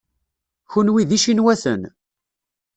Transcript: Kenwi d icinwaten?